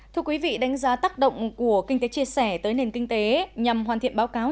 thưa quý vị đánh giá tác động của kinh tế chia sẻ tới nền kinh tế nhằm hoàn thiện báo cáo